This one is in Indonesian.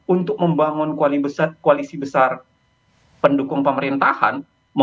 untuk membangun koalisi besar pendukung pemerintahan